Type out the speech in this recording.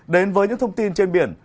đến với những thông tin trên biển